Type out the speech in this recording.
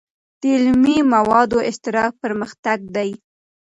د علمي موادو اشتراک پرمختګ دی.